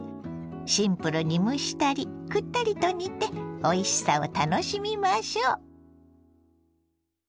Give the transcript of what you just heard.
シンプルに蒸したりくったりと煮ておいしさを楽しみましょ。